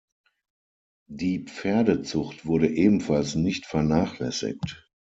Die Pferdezucht wurde ebenfalls nicht vernachlässigt.